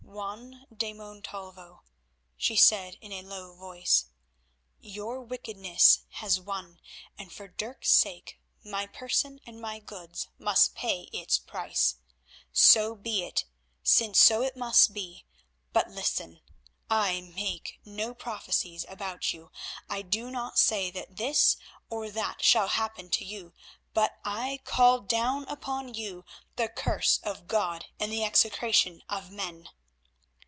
"Juan de Montalvo," she said in a low voice, "your wickedness has won and for Dirk's sake my person and my goods must pay its price. So be it since so it must be, but listen. I make no prophecies about you; I do not say that this or that shall happen to you, but I call down upon you the curse of God and the execration of men."